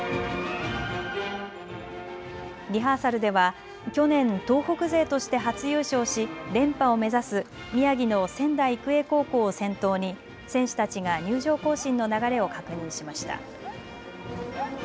リハーサルでは去年、東北勢として初優勝し連覇を目指す宮城の仙台育英高校を先頭に選手たちが入場行進の流れを確認しました。